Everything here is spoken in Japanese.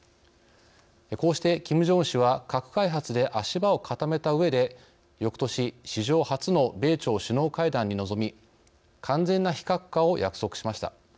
こうしてキム・ジョンウン氏は核開発で足場を固めたうえでよくとし史上初の米朝首脳会談に臨み完全な非核化を約束しました。